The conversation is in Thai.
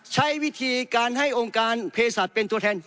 ใช้วิธีการให้องค์การเพศสัตว์เป็นตัวแทน